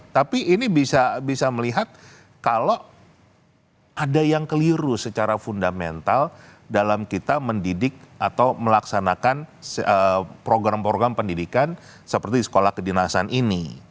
tapi ini bisa melihat kalau ada yang keliru secara fundamental dalam kita mendidik atau melaksanakan program program pendidikan seperti sekolah kedinasan ini